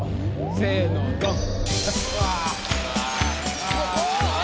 せぇのドン！